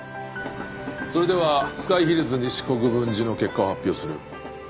それではスカイヒルズ西国分寺の結果を発表する。